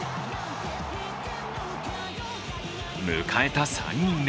迎えた３人目。